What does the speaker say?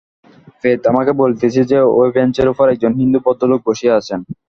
প্রেত আমাকে বলিতেছে যে, ঐ বেঞ্চের উপর একজন হিন্দু ভদ্রলোক বসিয়া আছেন।